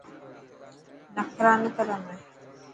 نکرا نه ڪر همي.